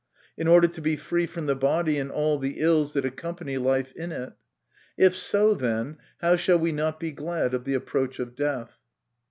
In order to be free from the body and all the ills that accompany life in it. If so, then, how shall we not be glad of the approach of death